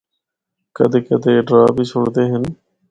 کدے کدے اے ڈرا بھی چُھڑدے ہن۔